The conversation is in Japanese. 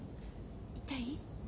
痛い？